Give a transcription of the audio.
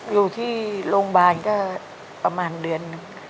อยู่ที่โรงพยาบาลก็ประมาณเดือนหนึ่ง